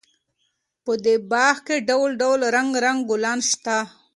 په دې باغ کې ډول ډول رنګارنګ ګلان شته.